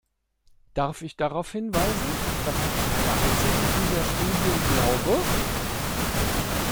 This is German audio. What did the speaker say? Darf ich darauf hinweisen, dass ich keiner einzigen dieser Studien glaube?